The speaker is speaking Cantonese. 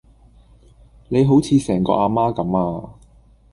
你好似成個啊媽咁呀